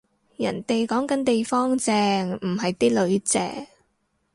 人哋講緊地方正，唔係啲囡正